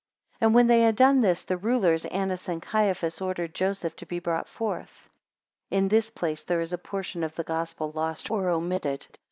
14 When they had done this, the rulers, Annas and Caiaphas, ordered Joseph to be brought forth. (In this place there is a portion of the Gospel lost or omitted.